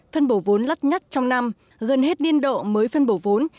phân bổ vốn lắt nhắt trong năm gần hết niên độ mới phân bổ vốn